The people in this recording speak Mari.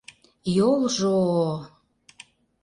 — Йолжо-о...